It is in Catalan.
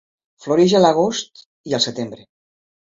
Floreix a l'agost i al setembre.